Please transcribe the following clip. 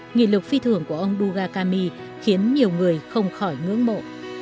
nghị lực phi thường của ông duga kami khiến nhiều người không khỏi ngưỡng mộ